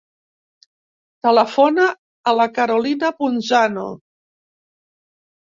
Telefona a la Carolina Punzano.